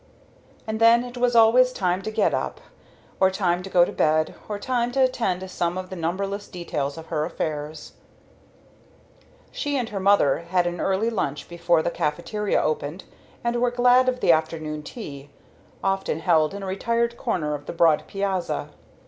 And then it was always time to get up, or time to go to bed, or time to attend to some of the numberless details of her affairs. She and her mother had an early lunch before the caffeteria opened, and were glad of the afternoon tea, often held in a retired corner of the broad piazza.